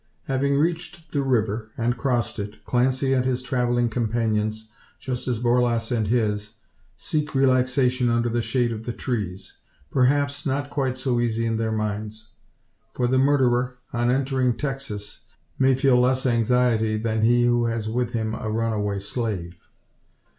Having reached the river, and crossed it, Clancy and his travelling companions, just as Borlasse and his, seek relaxation under the shade of the trees. Perhaps, not quite so easy in their minds. For the murderer, on entering Texas, may feel less anxiety than he who has with him a runaway slave!